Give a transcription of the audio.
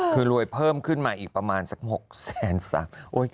คือรวยเพิ่มขึ้นมาอีกประมาณสัก๖๓๐๐๐๐บาท